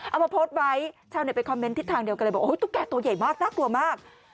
เอามาโพสต์ไว้ชาวเน็ตไปคอมเมนต์ทิศทางเดียวกันเลยบอกตุ๊กแก่ตัวใหญ่มากน่ากลัวมาก